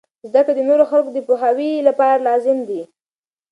زده کړه د نورو خلکو د پوهاوي لپاره لازم دی.